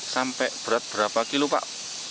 sampai berat berapa kilo pak